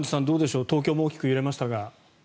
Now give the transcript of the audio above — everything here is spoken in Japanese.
どうでしょう東京も大きく揺れましたが。